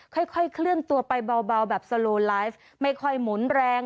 ค่อยค่อยเคลื่อนตัวไปเบาเบาแบบไม่ค่อยหมุนแรง